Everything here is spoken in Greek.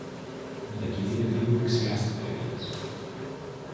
μετακινείται λίγο δεξιά στην καρέκλα της